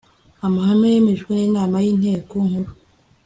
amahame yemejwe n inama y inteko nkuru